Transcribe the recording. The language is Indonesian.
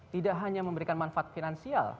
tidak hanya memberikan manfaat finansial